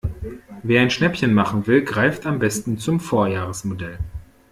Wer ein Schnäppchen machen will, greift am besten zum Vorjahresmodell.